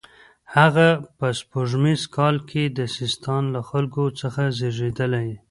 هغه په سپوږمیز کال کې د سیستان له خلکو څخه زیږېدلی.